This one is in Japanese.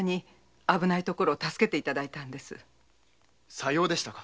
さようでしたか。